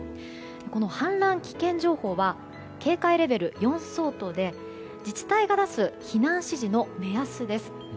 この氾濫危険情報は警戒レベル４相当で自治体が出す避難指示の目安です。